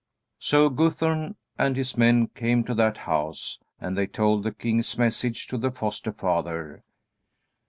So Guthorm and his men came to that house and they told the king's message to the foster father.